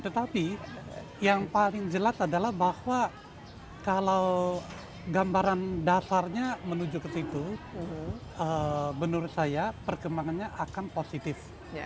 tetapi yang paling jelas adalah bahwa kalau gambaran dasarnya menuju ke situ menurut saya perkembangannya akan positif